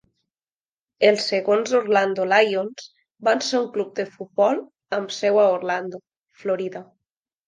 Els segons Orlando Lions van ser un club de futbol amb seu a Orlando, Florida.